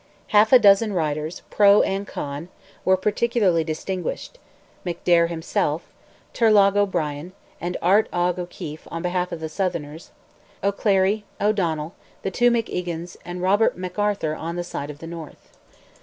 Half a dozen writers, pro and con, were particularly distinguished; McDaire himself, Turlogh O'Brien, and Art Oge O'Keefe on behalf of the Southerners; O'Clery, O'Donnell, the two McEgans, and Robert McArthur on the side of the North.